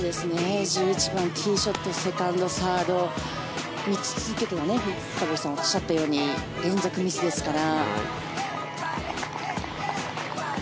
１１番、ティーショットセカンド、サード３つ続けて深堀さんがおっしゃったように連続ミスですから。